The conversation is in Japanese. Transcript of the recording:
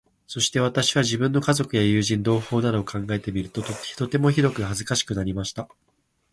そして私は、自分の家族や友人、同胞などを考えてみると、とてもひどく恥かしくなりました。